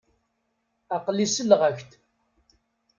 Aql-i selleɣ-ak-d.